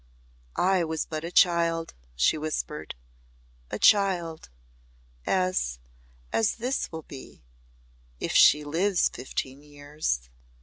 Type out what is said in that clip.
"I was but a child," she whispered "a child as as this will be if she lives fifteen years."